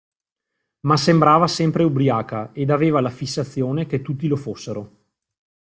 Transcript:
Ma sembrava sempre ubriaca ed aveva la fissazione che tutti lo fossero.